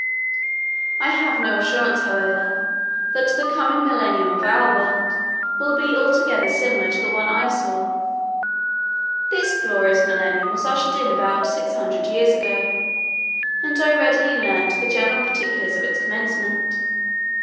I have no assurance, however, that the coming Millennium of our world will be altogether similar to the one I saw. This glorious Millennium was ushered in about six hundred years ago, and I readily learned the general particulars of its commencement.